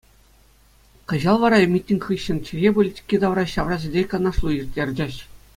Кӑҫал вара митинг хыҫҫӑн чӗлхе политики тавра ҫавра сӗтел-канашлу ирттерчӗҫ.